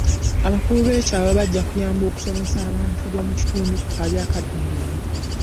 Abakulu b'ekyalo bajja kuyamba okusomesa abantu b'omu kitundu ku kabi akali mu mwenge.